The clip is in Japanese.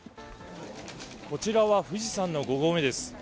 こちらは富士山の５合目です。